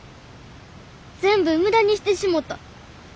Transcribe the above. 全部無駄にしてしもた。